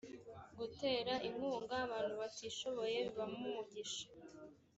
gutera inkunga abantu batishoboye bibamo umugisha